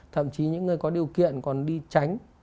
thậm chí những người có điều kiện còn đi tránh